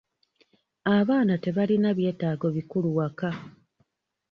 Abaana tebalina byetaago bikulu waka.